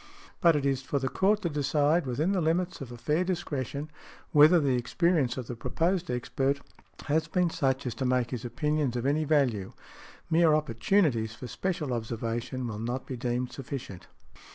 But it is for the Court to decide, within the limits of a fair discretion, whether the experience of the proposed expert has been such as to make his opinions of any value; mere opportunities for special observation will not be deemed sufficient .